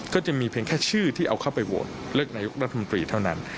ก็จะมีเพียงแค่ชื่อที่เอาเข้าไปโหวตเลือกนายกรัฐมนตรีเท่านั้น